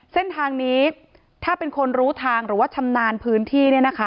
เส้นทางนี้ถ้าเป็นคนรู้ทางหรือว่าชำนาญพื้นที่เนี่ยนะคะ